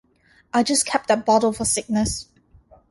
I just kept that bottle for sickness.